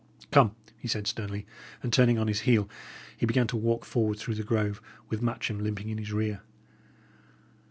"Come," he said, sternly; and, turning on his heel, he began to walk forward through the grove, with Matcham limping in his rear.